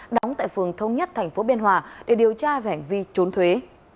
đóng tại phường thông nhất tp biên hòa để điều tra về hành vi trốn thuế